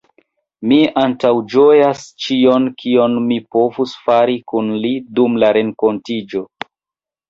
Mi antaŭĝojas ĉion, kion mi povus fari kun li dum la renkontiĝo.